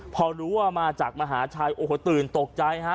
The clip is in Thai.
พอรู้ว่ามาจากมหาชัยโอ้โหตื่นตกใจฮะ